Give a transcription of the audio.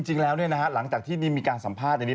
จริงแล้วหลังจากที่มีการสัมภาษณ์อย่างนี้